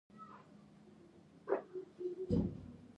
محمد اياز اياز د جنوري پۀ پينځمه نيټه